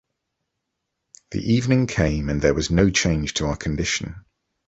The evening came and there was no change to our condition.